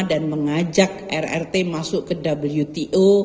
dan mengajak rrt masuk ke wto